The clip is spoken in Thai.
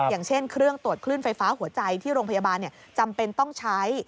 อย่างเช่นเครื่องตรวจคลื่นไฟฟ้าหัวใจที่โรงพยาบาลจำเป็นต้องใช้